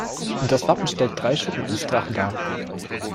Das Wappen stellt drei Schuppen eines Drachen dar.